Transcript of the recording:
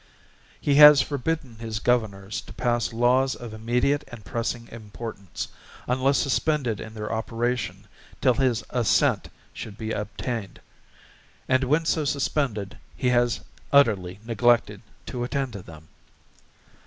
He has forbidden his Governors to pass Laws of immediate and pressing importance, unless suspended in their operation till his Assent should be obtained; and when so suspended, he has utterly neglected to attend to them.